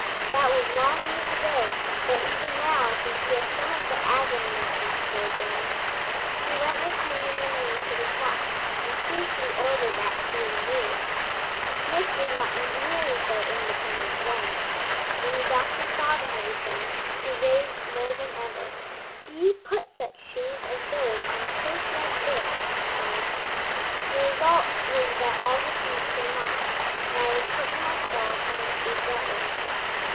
That was long years ago, but even now I can feel some of the agony of that slow journey. He went with Herman and me to the shop, and fiercely ordered that shoe removed. The smith was not nearly so independent then. When the doctor saw the heavy thing he raved more than ever. "Do you put such shoes as those on a horse like this?" he cried. The result was that all the shoes came off, and I was put in my stall till my feet got well.